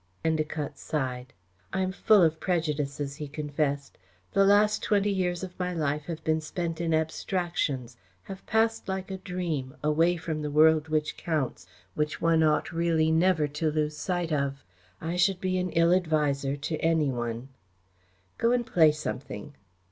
Endacott sighed. "I am full of prejudices," he confessed. "The last twenty years of my life have been spent in abstractions, have passed like a dream, away from the world which counts, which one ought really never to lose sight of. I should be an ill adviser to any one. Go and play something."